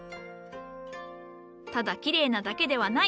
ただきれいなだけではない。